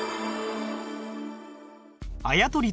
あやとり。